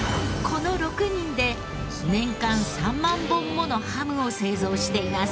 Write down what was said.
この６人で年間３万本ものハムを製造しています。